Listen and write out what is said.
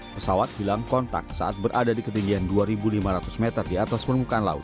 pesawat hilang kontak saat berada di ketinggian dua lima ratus meter di atas permukaan laut